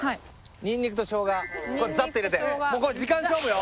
ニンニクとショウガザッと入れてここ時間勝負よ